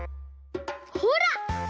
ほら！